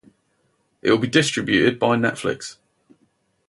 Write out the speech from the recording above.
It will be distributed by Netflix.